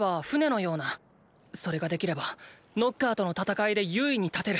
それができればノッカーとの戦いで優位に立てる。